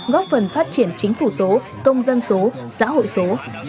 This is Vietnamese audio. góp phần phát triển chính phủ số công dân số xã hội số